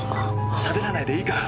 しゃべらないでいいから。